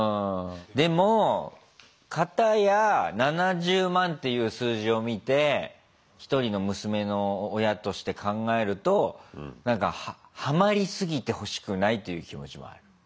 でも片や７０万っていう数字を見て一人の娘の親として考えるとなんかハマりすぎてほしくないという気持ちもある。